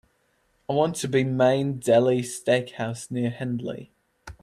I want to be Main Deli Steak House near Hendley.